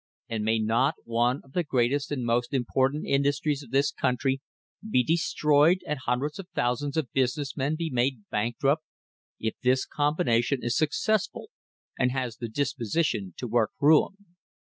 And may not one of the greatest and most important industries of this country be destroyed and hundreds of thousands of business men be made bankrupt if this combination is successful and has the disposition to work ruin